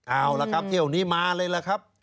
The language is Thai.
เอาล่ะครับเที่ยวนี้มาเลยล่ะครับ